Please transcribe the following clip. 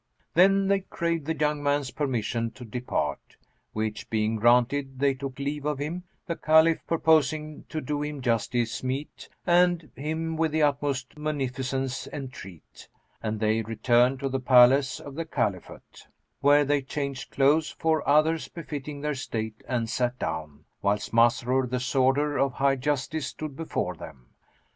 Then they craved the young man's permission to depart; which being granted, they took leave of him, the Caliph purposing to do him justice meet, and him with the utmost munificence entreat; and they returned to the palace of the Caliphate, where they changed clothes for others befitting their state and sat down, whilst Masrur the Sworder of High Justice stood before them.